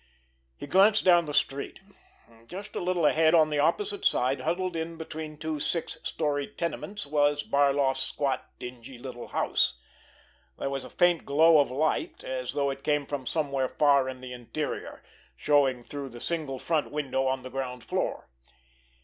He glanced down the street. Just a little ahead, on the opposite side, huddled in between two six story tenements, was Barloff's squat, dingy, little house. There was a faint glow of light, as though it came from somewhere far in the interior, showing through the single front window on the ground floor.